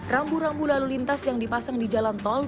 rambu rambu lalu lintas yang dipasang di jalan tol